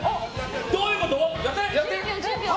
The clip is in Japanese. どういうこと？